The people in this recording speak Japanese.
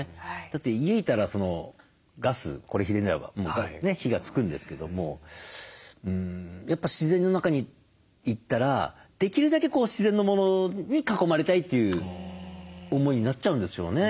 だって家いたらガスこれひねれば火がつくんですけどもやっぱ自然の中に行ったらできるだけ自然のものに囲まれたいという思いになっちゃうんですよね。